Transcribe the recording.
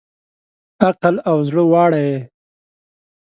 عقل او زړه واړه یې